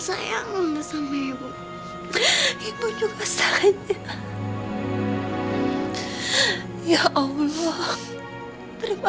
tim itu dikasih siapa tim